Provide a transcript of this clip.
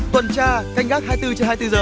tuần tra canh gác hai mươi bốn h hai mươi bốn h